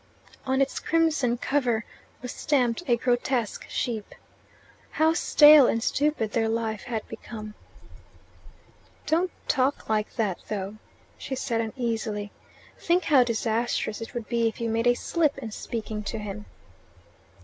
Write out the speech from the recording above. On its crimson cover was stamped a grotesque sheep. How stale and stupid their life had become! "Don't talk like that, though," she said uneasily. "Think how disastrous it would be if you made a slip in speaking to him."